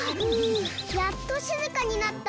やっとしずかになった。